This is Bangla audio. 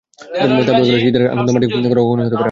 তাই বলে ঘরে বসে ঈদের আনন্দ মাটি করা—কখনোই হতে পারে না।